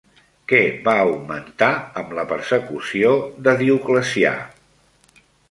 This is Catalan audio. Què va augmentar amb la persecució de Dioclecià?